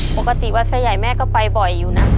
ปกติวัดไส้ใหญ่แม่ก็ไปบ่อยอยู่นะ